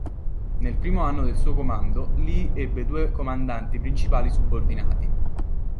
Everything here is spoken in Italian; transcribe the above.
Nel primo anno del suo comando, Lee ebbe due comandanti principali subordinati.